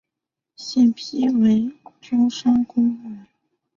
现辟为中山公园。